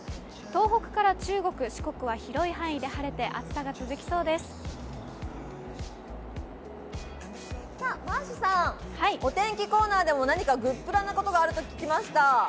東北から中国、四国は広い範囲で晴れて、マーシュさん、お天気コーナーでも何かグップラなことがあると聞きました。